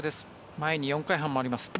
前に４回半回ります。